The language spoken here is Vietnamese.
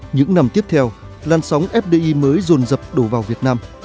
những năm tiếp theo lan sóng fdi mới dồn dập đổ vào việt nam